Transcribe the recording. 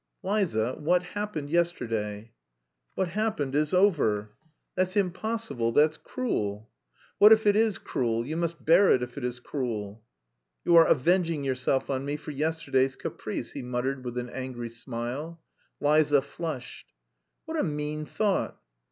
"Liza! What happened yesterday!" "What happened is over!" "That's impossible! That's cruel!" "What if it is cruel? You must bear it if it is cruel." "You are avenging yourself on me for yesterday's caprice," he muttered with an angry smile. Liza flushed. "What a mean thought!"